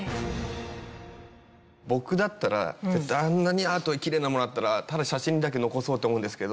僕だったらあんなにアートきれいなものがあったらただ写真にだけ残そうって思うんですけど。